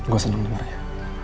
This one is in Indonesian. gue seneng dengarnya